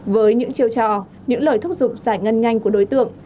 với những chiêu trò những lời thúc giục giải ngân nhanh của đối tượng